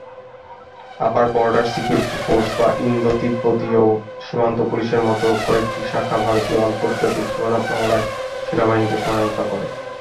আবার border security force বা ইন্দো-তিব্বতীয় সীমান্ত পুলিশের মতো কয়েকটি শাখা ভারতের আন্তর্জাতিক সীমানা প্রহরায় সেনাবাহিনীকে সহায়তা করে।